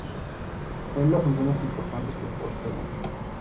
Es la función más importante que poseen.